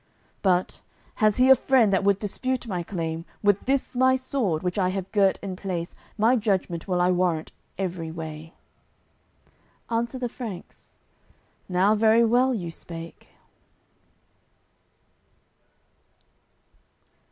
But, has he a friend that would dispute my claim With this my sword which I have girt in place My judgement will I warrant every way." Answer the Franks: "Now very well you spake."